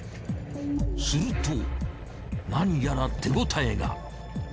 すると何やら手応えが。